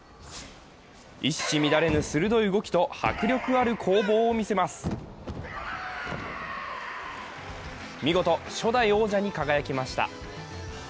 一糸乱れぬ鋭い動きと迫力ある攻防を見せます見事初代王者に輝きました。